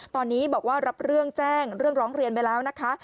ตอนนี้บอกว่ารับเรื่องแจ้งเรื่องร้องเรียนไปแล้วนะคะ